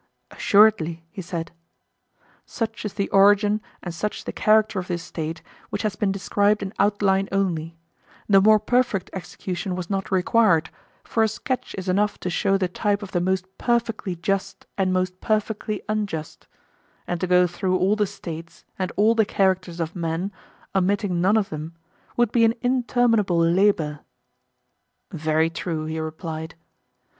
Assuredly, he said. Such is the origin and such the character of this State, which has been described in outline only; the more perfect execution was not required, for a sketch is enough to show the type of the most perfectly just and most perfectly unjust; and to go through all the States and all the characters of men, omitting none of them, would be an interminable labour. Very true, he replied.